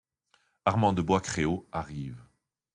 Armand de Bois-Créault arrive.